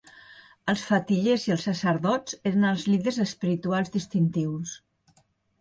Els fetillers i els sacerdots eren els líders espirituals distintius.